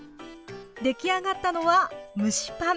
出来上がったのは蒸しパン。